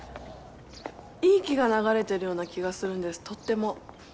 いい気が流れているような気がするんです、とっても。